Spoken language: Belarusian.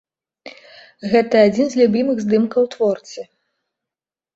Гэта адзін з любімых здымкаў творцы.